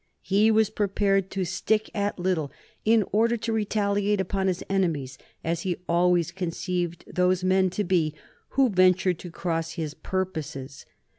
He was prepared to stick at little in order to retaliate upon his enemies, as he always conceived those men to be who ventured to cross his purposes.